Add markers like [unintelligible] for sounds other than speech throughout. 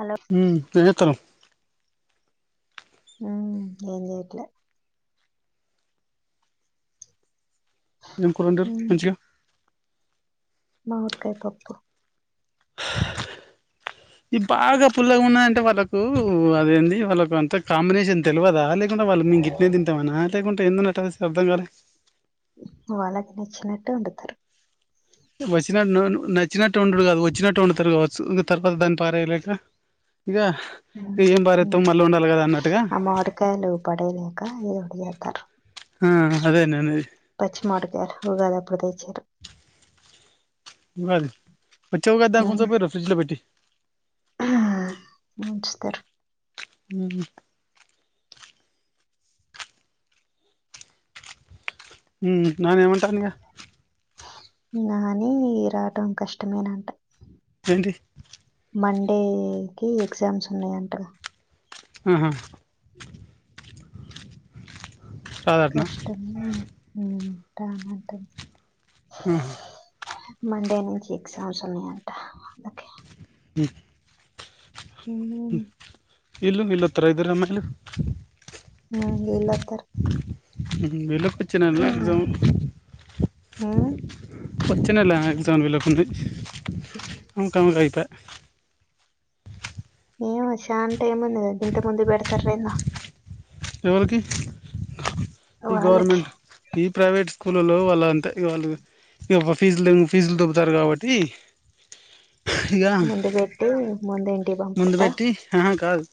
Hello హమ్ ఎంచెచనావ్ హమ్ ఏం చేయట్లే ఏం కూర ఒండిర్రు మంచిగా మావిడ్కెయ్ పప్పు ఇ బాగా పుల్లగా ఉన్నాయంటే వాళ్ళకు అదేంది వాళ్ళకు అంత కాంబినేషన్ తెలియదా లే వాళ్లు మేము గిట్నే తింటాం అనా ఎందుకు అట్లనిపిస్తదో అర్థం కాలే వాళ్ళకి నచ్చినట్టు వండుతారు వచ్చినట్టు నచ్చినట్టు వండుడు కాదు వచ్చినట్టు వండుతడు కాచ్చు ఇంకా తర్వాత దాన్ని పారేయలేక ఇక ఏం పారేత్తం మళ్ళీ వండాలి కదా అన్నట్టుగా అమ్మ మాడికాయలు పడయలేక ఏదోటి చేతారు అదేన్నే ప్రతి ది ఉమ్ [unintelligible] ఫ్రిజలో పెట్టి మంచిుస్తారు హ హ నానేమంటానిగ నాని రావటం కష్టమేనంట ఏంటి క ఎగ్జామ్స్ ఉన్నాయంట ఆహా ఆ రాదటనా కష్టం రానంటడి ఆ మండే నుంచి ఎగ్జామ్స్ ఉన్నాయంటా ఆ ఉ వీళ్ళు వీళ్ళు వత్తార ఇద్దరు అమ్మాయిలు న వీళ్ళు వత్తరు హు వీళ్ళకి పిచ్చి నాలా ఎగ్జామ్ ఉమ్ వచ్చే నేల ఎగ్జామ్ వీళ్ళకు ఉంది ఉమ్ కం రైత అ ఇగో చాన్ టైమ్ ఉన్నది గింత ముందే బెడతారెందా ఎవరికి ఈ వాళ్ళకి గవర్నమెంట్ ఈ ప్రైవేట్ స్కూలు లో వాళ్ళు అంతే ఇవాల్ టివి ఈ అవ్వ ఫీజులు ఫీజులు దొబ్బుతారు కాబట్టి ఇగ ముందు పెట్టి ముందు ఇంటికి ముందు పంపుతారా వెట్టి ఆహా కాదు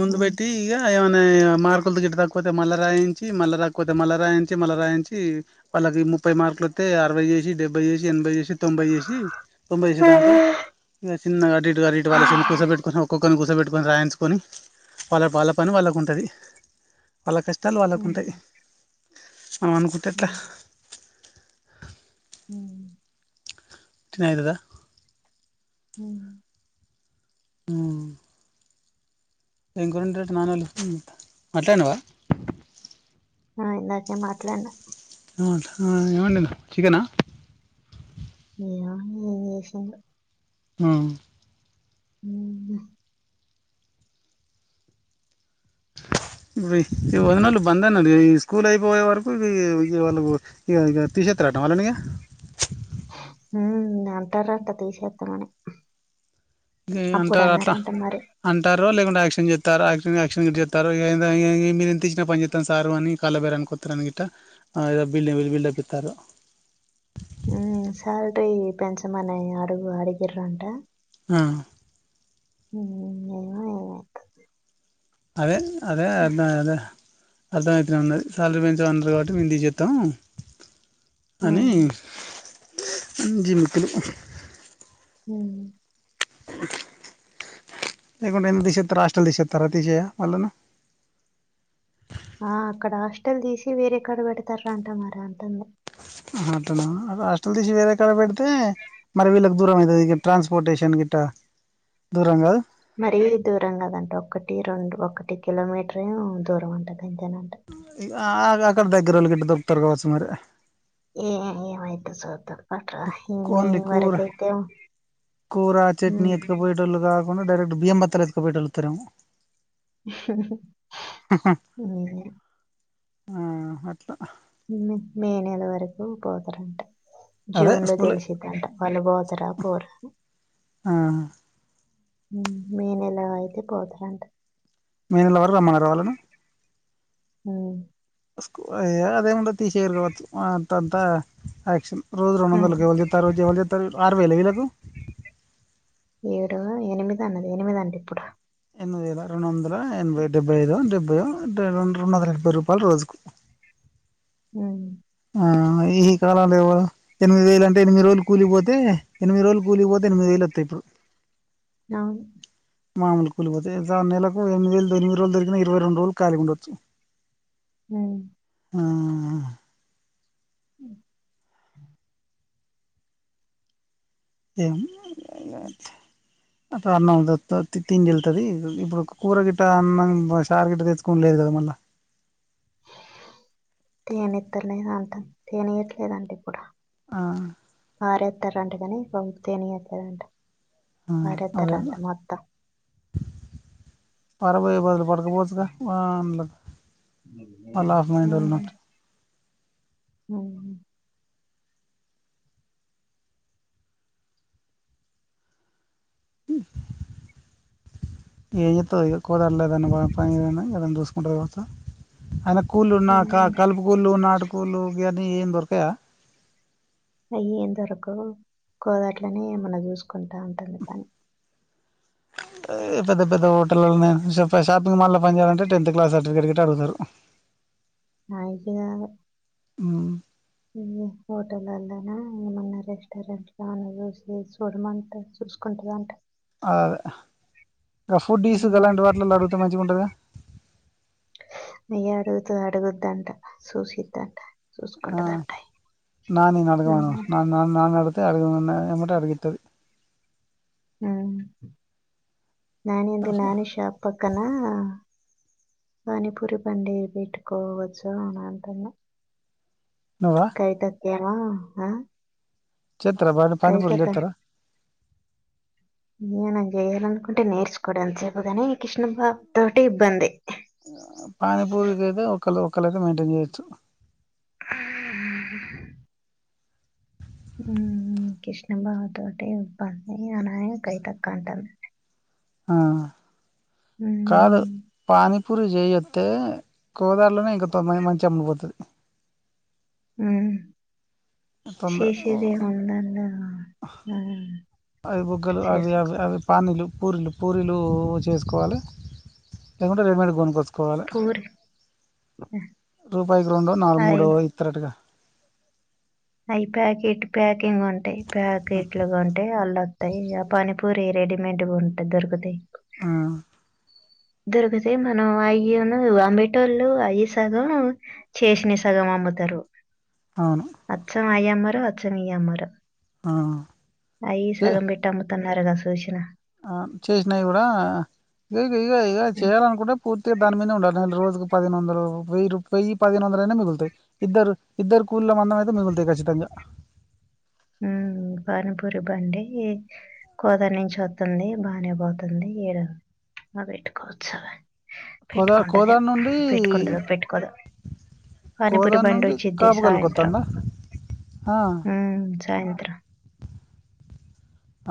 ముందు ఉమ్. వెట్టి ఇగ ఏవన్ ఏ యో మార్కులు గిట్ట తక్ కాకపోతే మల్లా రాయించి, మల్లా రాకపోతే మల్లా రాయించి, మల్లా రాయించి వాళ్లకు ముప్పై మార్కులు వతే అరవై చేసి, డెబ్బై చేసి, ఎనభై చేసి, తొంభై చేసి తొంభై చేసే దాకా ఇగ చిన్నగా అటు ఇటు అటు ఇటు వాళ్లని చిన్న గా కూసబెట్టుకుని ఒక్కొక్కర్ని కూసబెట్టుకుని రాయించుకొన్ని వాళ్ల వాళ్ల పని వాళ్లకున్. టది వాళ్ళ కష్టాలు వాళ్ళకు ఉమ్, ఉంటాయి. మనమ్ అనుకుంటే ఎట్లా? ఉమ్, ఉమ్, టినె అయితదా? ఉ ఊ ఏం కూర వండీ, ఆట నానోలు... మాట్లాడినవా? ఆ, ఇందాకే మాట్లాడినా. ఏం వంట? ఏం వండినవ్? చికెన్ ఆ? నీ యమ్మనే ఏసిండు? ఆ.. ఊ ఈ మీ వదినోలు బంద్ అన్నరు కదా, స్కూల్ అయిపోయేవరకు. ఇగ వాళ్లు ఇగ ఇగ తీసెత్తరటన, వాళ్లని. ఇగ హ్మ్మ్, అంటరంట తీస్తరని. గి అంటారు అట్లా అంటారు. ఎవరూ లేకుండా ఎక్స్‌చేంజ్ చేస్తారా, ఆ ఎక్స్‌చేంజ్ ఆ ఎక్స్‌చేంజ్ చేత్తారో ఇగ ఎందో ఎం ఎ మీరు ఎంత ఇచ్చిన పని చేత్తా సరూ అని కాళ్ళ బేరనికి వత్తారాని గిట్ట అదేదో బిల్డింగ్ మీద బిల్డప్ ఇత్తరు. మ్మ్ సాలరీ పెంచమని అడుగు అడిగిరంట ఆ... హ్మ్మ్... ఏవో ఏవైతదో. అదే అదే అన్న గదా అర్థంమైతనే ఉన్నది. శాలరీ పెంచమన్నారు, కాబట్టే మేము తీసేత్తం అనీ. ఉమ్, జిమ్. ఉమ్. లేకుంటే ఎందుకు తీసేస్తరూ, హాస్టల్ తీసేస్తరా తీసేయ వాళ్లను. ఆ, అక్కడ హాస్టల్ తీసి వేరేకాడ పెడతారంట మరీ అంటుంన్రు. ఆహా అట్టనా? అదే హాస్టల్ తీసి వేరేక్కడ పెడితే, మరి వీళ్లకి దూరం అయితది. ఇగా ట్రాన్స్‌పోర్టేషన్ గిట్ట దూరం గాదు. మరి దూరం గాదండి. ఒక్కటి, రెండు, ఒక్కటి కిలోమీటర్ ఏమో దూరం ఉంటాది. అంతేనంట. ఆ అగ్ అక్కడ దగ్గరోళ్లు గిట్ట దొరుకుతారు కావచ్చు మరీ. ఏ ఏమైద్దో సూద్దాం. కొన్లి కూరా, కూరా, చట్నీ ఉమ్, ఎత్తుకుపోయేటోళ్లు కాద్. ఉన్న డైరెక్ట్ బియ్యం బస్తాలు ఎత్తుకు బోయోటోలు ఓత్తరేమో. ఉమ్. ఆ అట్లా. నిన్నే మే నెలవరకు పోతారంటా. అదే జూన్ లో స్కూలే తెలిసిద్దంట, వాళ్ళ బోతరా పోరా. ఆ ఉమ్ మే నెలలో అయితే, పోతారంట. మే నెల వరకు రమ్మన్నారా వాళ్ళను. ఉమ్. స్కూ ఏ అదేముండది తీ సేయ్యారు గావచ్చు, ఆ అంతంత యాక్షన్. రోజు రెండు ఉమ్, వందలకి, ఎవలు చేత్తర్రు ఉద్యోగాలు చేత్తర్రు వీళ్ళు. ఆరు వేలా, ఈళ్లకు. ఏడు, ఎనిమిది అన్నది, ఎనిమిదంట ఇప్పుడు. ఎనిమిది వేల రెండు వందల్. ఆ ఎనభై, డెబ్బై ఐదో, డెబ్బయో. అంటే రెండు, రెండు వందల ఎనబై రూపాయలు రోజుకు. ఉమ్. ఆ ఈ కాలాల ఎవరు, ఎనిమిది వేలు అంటే ఎనిమిది రోజులు కూలిపోతే, ఎనిమిది రోజులు కూలిపోతే, ఎనిమిది వేలు వత్తయి ఇప్పుడు. అవును. మాములు కూలిపోతే, ఎంత నెలకు ఎనిది వేలు, తొమ్మిది రోజులు దొరికిన, ఇరవై రెండు రోజులు ఖాళీగా ఉండొచ్చు హుమ్మ్. ఉమ్మ్. ఏం అక్కడ అన్నం దొరుకుతాది తిండి ఎళ్తది. ఇప్పుడు కూర గిట్ట అన్నం, చారు గిట్ట తెచ్చుకునుడు లేదు కదా మళ్ళా. తీయనిత్తలేదంట, తీయనియట్లేదంట ఇప్పుడు. ఆ. పారెత్తరంట కానీ, పాపం తీయనియట్లేదంట. పారెత్తరంట మొత్తం. పారవోయే బదులు పడ్. పోవచ్చుగా మా. [unintelligible] ఉహు అవును ఏం జెత్తవ్ ఏదో కుదరలేదని పని ఏదన్న చూసుకుంటది కావచ్చు అయిన కూలు ఉన్నాక కలుపు కూలు నా కూ కులు అని ఏం దొరకయా అయ్యేంత వరకు కోదాట్లనే ఏమన్న చూసుకుంటా ఉంటది పని ఏదో పెద్ద పెద్ద హటళ్లనే షా పోయి షాపింగ్ మాల్లో పని చేయాలంటే టెన్త్ క్లాస్ సర్టిఫికెట్ గిట్ట అడుగుతరు నాయికి గాదు హు ఈ హోటలల్లనా ఏమన్నా రెస్టారెంట్ లో అన్నా చూసి సూడమంట చూసుకుంటదంట ఆ అదే ఆ ఫుడ్డిస్ గలాంటి వాటిలల్ల అడిగితే మంచిగ ఉంటుదిగా అయ్యే అడుగుత అడుగుద్దంట సూసిద్దంట ఆ నానినడగమను నడగ అడుగమను ఎమ్మటే అడిగది ఆ నను ఎందు నన్ షాప్ పకనా పానిపురి బండి పెట్టుకోవచ్చు అన అంటును నువ్వా కాయ త అ హ చెత్రరా బ పనిపూర్లు చెత్తార ఏన చేయాలనుకుంటే నేర్చుకోవడానికి చెపుగానే కృష్ణబాబు తోటి ఇబ్బంది పానీపూరిక అయితే ఒకళ ఒక క్కల మెయింటైన్ చే హమ్ కృష్ణబాబు తోటి ఇబ్బంది అలానే కైతక్క అంటంది ఆ కాదు పానీ పూరి చేయొస్తే కోదాలోనే ఇంక తొందంది మంచిగా అమ్డిపోతది అ తొందర శేషి ది ఉందన్న అవి బగలు అవి అ చేసుకో అవి పా పన్నలు పూరీలు పూరీలు చేసుకోవాలి లేకుంటే రెడీమేడ్ కొను కొనుకోచ్చుకోవాలి కోవాలి పూరి రూపాయికి రెండో నాలుగు అయి మూడో ఇతరటుగ అవి ప్యాకెట్ ప్యాకింగ్ ఉంటాయి ప్యాకెట్లుగా ఉంటే అల్లుస్తాయి అ పానీ పూరి రెడీమేడ్ ఉంటాది దొరుకుతాయి ఆ దొరికితే మనం అయ అంబేటోళ్ళు అయ సగం చేసిన సగం అమ్ముతారు అవును అయ మర అచ్చం మీయ్యమర ఆ అయి చే సగం పెట్టా కన్నరగా సూచ్చిన ఆ చేసినాయి కూడా ఇ ఇక ఇక ఉమ్, చేయాలనుకుంటే పూర్తిగా దాని మీద ఉండాల నేను రోజు పదిహేను వందలు వెయ్యి వెయ్యి పదిహేను వందల అయినా మిగులుతాయి. ఇద్దరు ఇద్దరు కూళ్ల మందం అయితే మిగులుతాయి ఖచ్చితంగా ఉమ్ పానీపూరి బండి కోతరి నుంచి వస్తుంది బానే పోతుంది ఏడ మా పెట్కోవచ్చవి కోదా పెట్టుకుంటద కోదాడ నుండి పెట్టుకుంటద పెట్టుకోదో పానీపురీ కోదాన్ బండి నుండి వచ్చిది కాపుగల్కి సాయంత్రం వస్తుందా ఆ, సాయంత్రం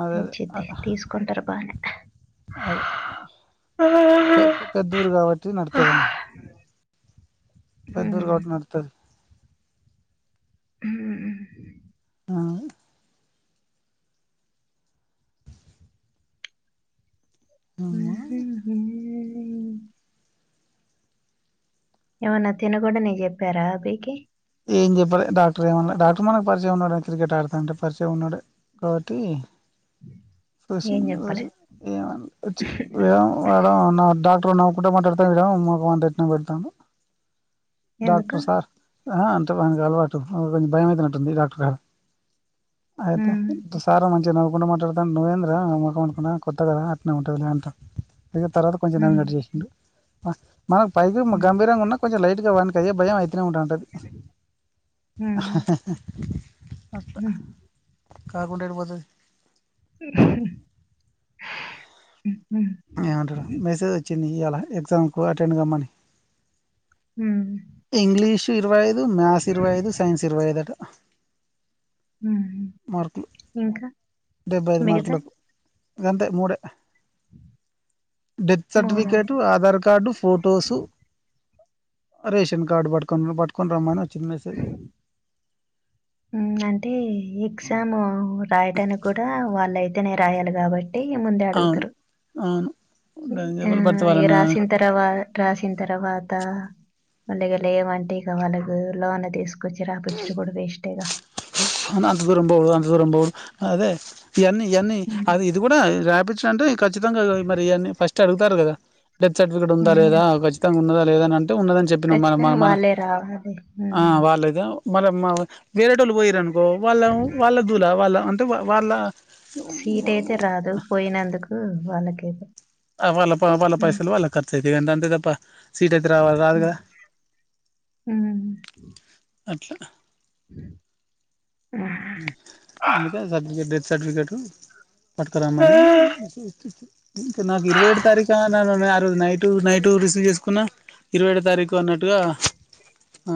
అదే వచ్చేది తీసుకుంటారు బాగానే పెద్దోరు కాబట్టి నడుతు కమ్ పెద్దరు కాట్ నడుతుంది ఉమ్ ఆ ఉహూ ఉమ్ ఏమన్నా తినకుండా నీకు చెప్పారా పీకి ఏం చెప్పాలి డాక్టర్ ఏమన్నాడు డాక్టర్ మనకు పరిచయం ఉన్నాడు క్రికెట్ ఆడుతాంటే పరిచయం ఉన్నాడు కాబట్టి ఏం ష చెప్పలే ఏడం నా డా ఎప్పుడు నవ్వుకుంటే మాట్లాడతాను మడ మాకు వ ఎట్న పెడతాను ఎందుకు డాక్టర్ సార్ ఆ అంటే బ అలవాటు కొంచం భయంమయితే ఉన్నటుంది డాక్టర్ గ ఆయితే హ్మ్. దుసార మంచిగా నవు ఉన్న మాత్ర ను నవేంద్ర ముఖంకు కొట్టగా ఉంటుంది లేంట అకతే తర్వాత కొంచం అయినాక హ్మ్. కట్ చేసిండు పక్క మనకు పైకి హ్మ్. గంభీరంగా ఉన్నా కొంచెం లైట్గా కదే భయం అయితనే ఉంటారు హ్మ్. హాహా ఒక హ్మ్. కాకుంటే ఎటు పోతది ఆ ఏమంటారు మెసేజ్ వచ్చింది ఇయాలా ఎక్సమ్కు అటెడ్ కమని హ్మ్ ఇరువైద్ మ్యాథ్స్ ఇరవై ఐదు, సైన్స్ ఇరవై ఐదు అట. హ్మ్. మార్కులు ఇంకా డెబ్బై ఐదు మిగతా మార్కులకు గంతే మూడే death certificate Aadhaar card photos ration card పట్కొని పట్టుకొని రమ్మని వచ్చింది మేసేజ్ హు అంటే ఎగ్జామ్ రాయడానికి కూడా వాళ్లే నే రాయాలి కాబ అంటే ముందే అవును అడుగుతారు అవును ఆ డేంజర్ పడితే ఇగ వాళ్ళను రాసిన తర్వా రాసిన తర్వాత మళ్ళ ఇగ లేవంటే ఇక వాళ్ళకు లోన్ తీస్ వొచ్చి రాపిచ్చర్ కూడా వేస్ ఇగ అవును అంత దూరం బోకూడద్, అంత దూరం బోకూడద్ అదే ఇయన్నీ ఇయన్నీ హ్మ్. అది ఇది కూడా రాపి చ అంటే ఖచ్చితంగా మరి అన్ని ఫస్ట్ అడుగుతారు కదా డెత్ సర్టిఫికట్ ఉందా హ్మ్. లేదా కచ్చితంగా ఉన్నాదా లేదా అని అన్ తే ఉన్నదని చెప్పినం మన మ ఖచ్చితంగా మన వాళ్ళే రావాలి. ఆ హ్మ్. వాళ్ళద మళ్ళ మనం మీరేట్ టులు పొయ్యిర్రు అన్ కో వాళ్ళ వాళ్ళ దూల వాళ్ళ అం త్ వా వాళ్ళ సీట్ అయితే రాదు పోయినందుకు వాళ్ళకే ఆ వాళ్ళ ప వాళ్ళ పైసలు వాళ్ళ ఖర్చాయితయ్ అంట అంతే తప్ ప్ప మ్మ్ మ్మ్ అట్లా ఆ మ్మ్ అందుకె ఆ సర్టిఫికెట్ తీస్ సర్టిఫికెటు పట్కరమ్మని ఇంకా నాకు ఇరవై ఏడు తారీఖు ఆ ఆ నా రోజు నైటు నైటు రిసీవ్ చేసుకున్నా, ఇరవై ఏడు తారీఖు అన్నట్టుగా ఆ